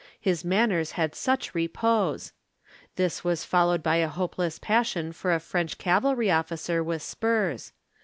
His manners had such repose. This was followed by a hopeless passion for a French cavalry officer with spurs.